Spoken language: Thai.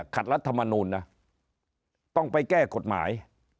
รัฐมนูลนะต้องไปแก้กฎหมาย